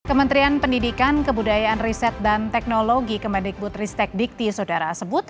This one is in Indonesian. kementerian pendidikan kebudayaan riset dan teknologi kemendikbud ristek dikti saudara sebut